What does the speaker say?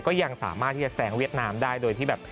ก็ยังสามารถที่จะแซงเวียดนามได้โดยที่แบบ